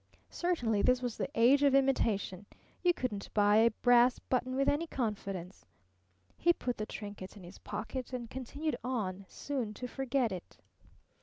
Certainly this was the age of imitation. You couldn't buy a brass button with any confidence. He put the trinket in his pocket and continued on, soon to forget it.